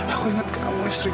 aku ingat kamu istriku